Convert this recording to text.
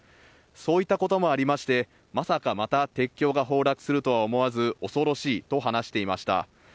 そういったこともありまして、まさかまた鉄橋が崩落するとは思わず恐ろしいと話していました。